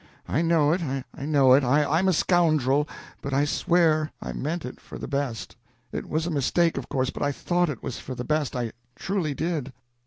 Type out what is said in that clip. "I know it, I know it! I'm a scoundrel. But I swear I meant it for the best. It was a mistake, of course, but I thought it was for the best, I truly did."